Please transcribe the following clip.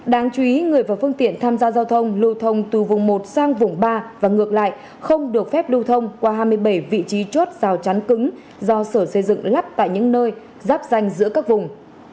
đáng chú ý người và phương tiện tham gia giao thông lưu thông từ vùng một sang vùng ba và ngược lại không được phép lưu thông qua hai mươi bảy vị trí chốt rào chắn cứng do sở xây dựng lắp tại những nơi giáp danh giữa các vùng